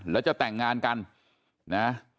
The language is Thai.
แล้วจะแต่งงานกันนะ